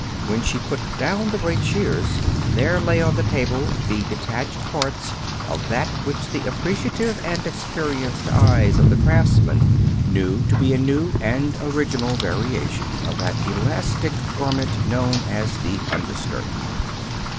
When she put down the great shears, there lay on the table the detached parts of that which the appreciative and experienced eyes of the craftsmen knew to be a new and original variation of that elastic garment known as the underskirt.